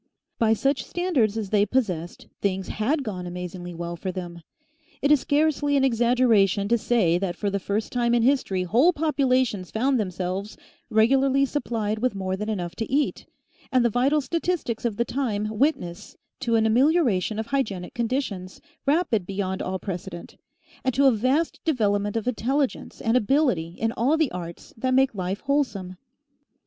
By such standards as they possessed, things HAD gone amazingly well for them. It is scarcely an exaggeration to say that for the first time in history whole populations found themselves regularly supplied with more than enough to eat, and the vital statistics of the time witness to an amelioration of hygienic conditions rapid beyond all precedent, and to a vast development of intelligence and ability in all the arts that make life wholesome.